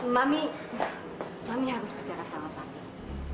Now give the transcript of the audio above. mami mami harus bercerita sama papi